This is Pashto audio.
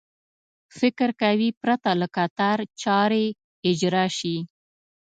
فکر کوي پرته له کتار چارې اجرا شي.